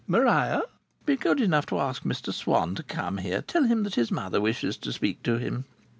Maria, be good enough to ask Mr Swann to come here. Tell him that his mother wishes to speak to him."